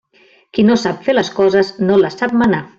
Qui no sap fer les coses no les sap manar.